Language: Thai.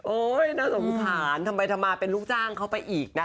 น่าสงสารทำไมทำมาเป็นลูกจ้างเขาไปอีกนะคะ